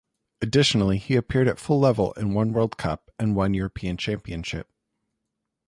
Additionally, he appeared at full level in one World Cup and one European Championship.